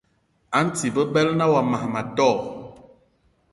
A nti bebela na wa mas ma tó?